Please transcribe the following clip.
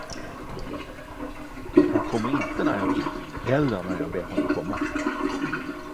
Han kommer inte, när jag vill, eller när jag ber honom komma.